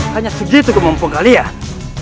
hanya segitu kemampuan kalian